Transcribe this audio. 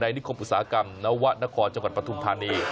นิคมอุตสาหกรรมนวะนครจังหวัดปฐุมธานี